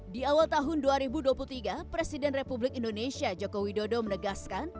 di awal tahun dua ribu dua puluh tiga presiden republik indonesia joko widodo menegaskan